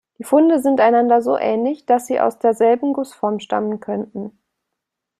Die Funde sind einander so ähnlich, dass sie aus derselben Gussform stammen könnten.